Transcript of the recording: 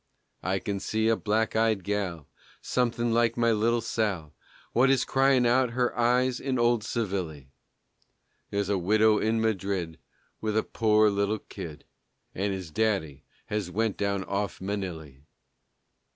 I kin see a black eyed gal, Somethin' like my little Sal, What is cryin' out her eyes in old Sevilly; There's a widow in Madrid With a pore little kid, And his daddy has went down off Manilly.